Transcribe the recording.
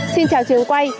xin chào trường quay